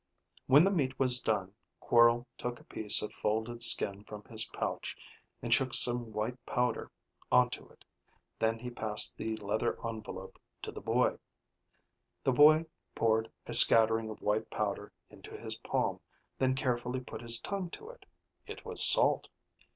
When the meat was done, Quorl took a piece of folded skin from his pouch and shook some white powder onto it. Then he passed the leather envelope to the boy. The boy poured a scattering of white powder into his palm, then carefully put his tongue to it. It was salt.